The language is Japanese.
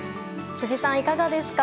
辻さん、いかがですか。